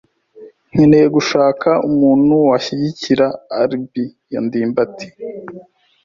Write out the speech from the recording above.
Nkeneye gushaka umuntu washyigikira alibi ya ndimbati.